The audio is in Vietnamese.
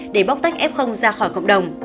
để bóc tách f ra khỏi cộng đồng